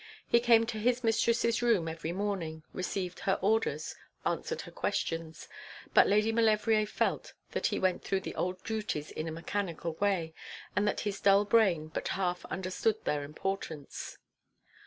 He came to his mistress's room every morning, received her orders, answered her questions; but Lady Maulevrier felt that he went through the old duties in a mechanical way, and that his dull brain but half understood their importance.